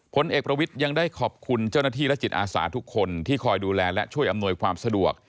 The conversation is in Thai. ผลเอกประวิทย์ยังได้ขอบคุณเจ้าหน้าที่และจิตอาสาทุกคนที่คอยดูแลและช่วยอำนวยความสะดวก